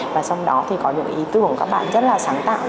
và trong đó có những ý tưởng các bạn rất sáng tạo